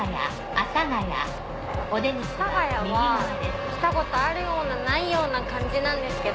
阿佐谷は来たことあるようなないような感じなんですけど。